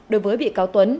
đối với bị cáo tuấn